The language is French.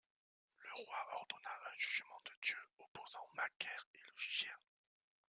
Le roi ordonna un jugement de dieu opposant Macaire et le chien.